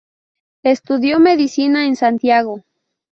Estudió Medicina en Santiago.